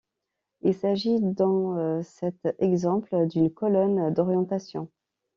Il s'agit dans cet exemple d'une colonne d'orientation.